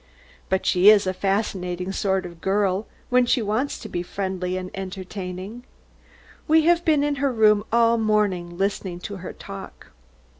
But she is a fascinating sort of girl, when she wants to be friendly and entertaining. We have been in her room all morning, listening to her talk.